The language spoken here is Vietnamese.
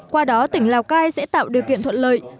qua đó tỉnh lào cai sẽ tạo điều kiện thuận lợi